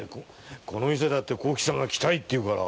この店だって幸吉さんが「来たい」と言うから。